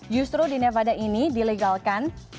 justru di nevada ini di legalkan